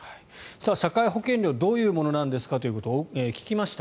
社会保険料どういうものなんですかと聞きました。